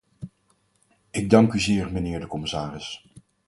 Ik dank u zeer, mijnheer de commissaris.